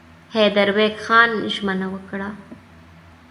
حیدربېګ خان ژمنه وکړه.